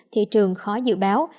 thị trường khó dự báo